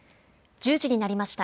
１０時になりました。